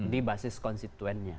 di basis konstituennya